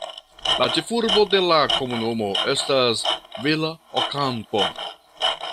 La ĉefurbo de la komunumo estas Villa Ocampo.